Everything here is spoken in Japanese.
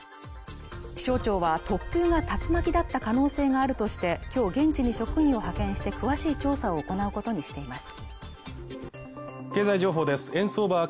気象庁は突風が竜巻だった可能性があるとしてきょう現地に職員を派遣して詳しい調査を行うことにしています